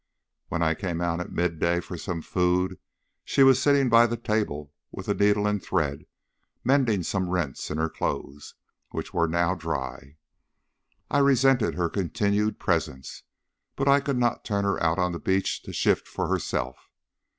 When I came out at mid day for some food she was sitting by the table with a needle and thread, mending some rents in her clothes, which were now dry. I resented her continued presence, but I could not turn her out on the beach to shift for herself.